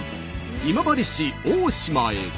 今治市大島へ。